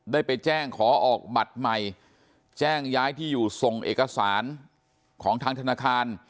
ได้ไปแจ้งขอออกบัตรใหม่แจ้งย้ายที่อยู่ส่งเอกสารของทางธนาคาร